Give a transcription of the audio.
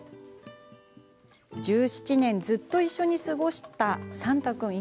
１７年、ずっと一緒に過ごしたサンタ君。